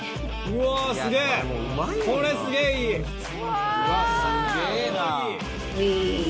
うわあすげえな。